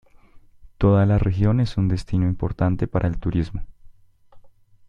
Toda la región es un destino importante para el turismo.